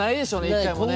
１回もね。